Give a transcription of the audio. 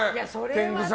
天狗さん。